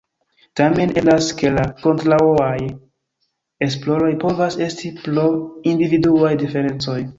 Tamen, eblas ke la kontraŭaj esploroj povas esti pro individuaj diferencoj.